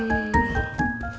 tunggu bentar ya kakak